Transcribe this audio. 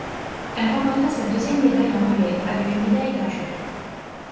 Elle remporta sa deuxième médaille en relais avec une médaille d'argent.